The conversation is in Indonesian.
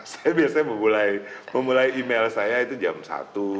saya biasanya memulai email saya itu jam satu